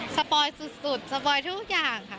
สปอยสุดสปอยทุกอย่าง